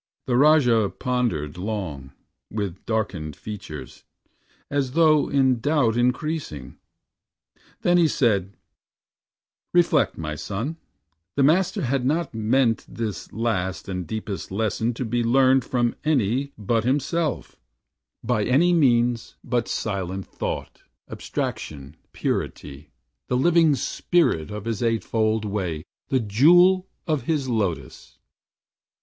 The Rajah pondered long, with darkened features, As though in doubt increasing. Then he said: "Reflect, my son! The Master had not meant This last and deepest lesson to be learned From any but himself by any means But silent thought, abstraction, purity, The living spirit of his Eight fold Way, The jewels of his Lotus.